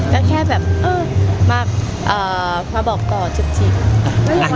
ก็แค่แบบเออมาบอกก่อนจุกจิก